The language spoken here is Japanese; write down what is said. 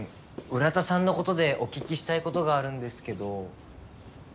浦田さんの事でお聞きしたい事があるんですけど。